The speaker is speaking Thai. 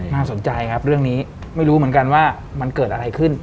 น่าสนใจครับเรื่องนี้ไม่รู้เหมือนกันว่ามันเกิดอะไรขึ้น